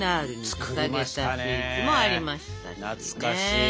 懐かしい！